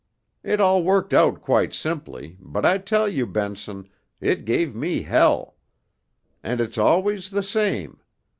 It all worked out quite simply, but I tell you, Benson, it gave me hell. And it's always the same.